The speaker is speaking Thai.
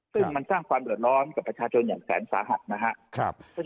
ซึ่งมันสร้างความเหลือร้้มกับประชาชนอย่างแสนสาหัส